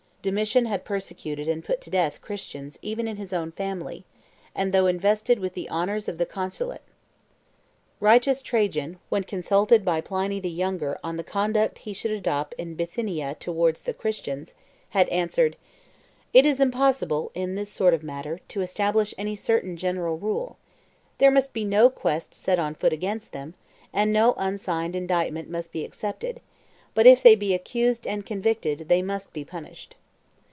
Domitian had persecuted and put to death Christians even in his own family, and though invested with the honors of the consulate. Righteous Trajan, when consulted by Pliny the Younger on the conduct he should adopt in Bithynia towards the Christians, had answered, "It is impossible, in this sort of matter, to establish any certain general rule; there must be no quest set on foot against them, and no unsigned indictment must be accepted; but if they be accused and convicted, they must be punished."